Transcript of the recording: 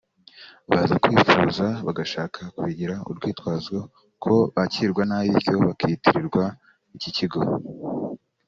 baza kwifuza bagashaka kubigira urwitwazo ko bakirwa nabi bityo bikitirirwa iki kigo